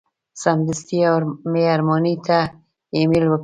سمدستي مې ارماني ته ایمیل ورکړ.